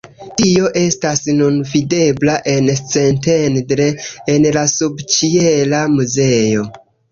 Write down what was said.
Tio estas nun videbla en Szentendre en la subĉiela muzeo.